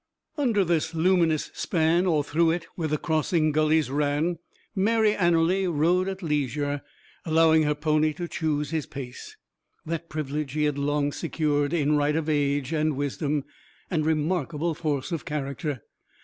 Under this luminous span, or through it where the crossing gullies ran, Mary Anerley rode at leisure, allowing her pony to choose his pace. That privilege he had long secured, in right of age, and wisdom, and remarkable force of character.